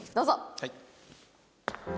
はい。